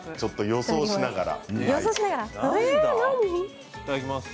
予想しながら？